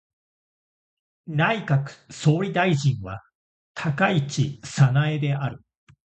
内閣総理大臣は高市早苗である。